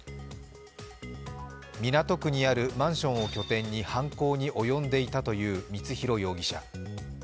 港区にあるマンションを拠点に犯行に及んでいたという光弘容疑者。